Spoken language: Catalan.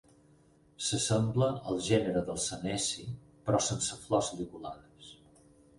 S'assembla al gènere dels seneci però sense flors ligulades.